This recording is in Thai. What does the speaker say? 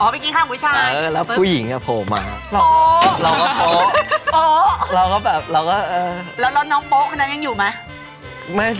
พลิกแพงคืออะไรไม่ต้องพลิกเอาจริง